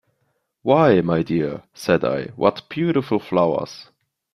"Why, my dear," said I, "what beautiful flowers!"